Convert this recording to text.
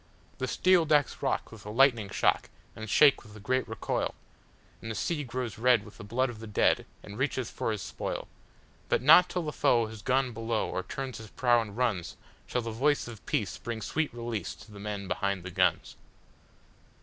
The steel decks rock with the lighting shock, and shake with the great recoil, And the sea grows red with the blood of the dead and reaches for his spoil—But not till the foe has gone below or turns his prow and runs, Shall the voice of peace bring sweet release to the men behind the guns!